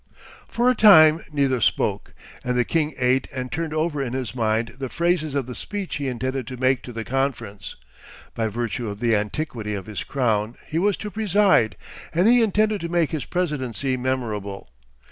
For a time neither spoke, and the king ate and turned over in his mind the phrases of the speech he intended to make to the conference. By virtue of the antiquity of his crown he was to preside, and he intended to make his presidency memorable.